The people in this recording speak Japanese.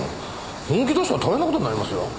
本気出したら大変な事になりますよ。